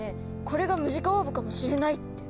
これがムジカオーブかもしれないって。